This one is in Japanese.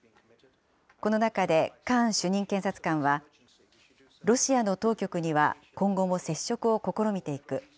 この中でカーン主任検察官は、ロシアの当局には今後も接触を試みていく。